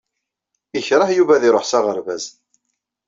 Ikṛeh Yuba ad iṛuḥ s aɣerbaz.